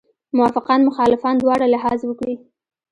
موافقان مخالفان دواړه لحاظ وکړي.